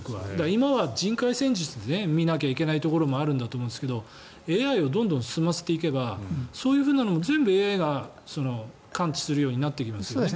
今は人海戦術で見なきゃいけないところもあると思うんですけどＡＩをどんどん進ませていけばそういうのも全部ＡＩが感知するようになっていきますよね。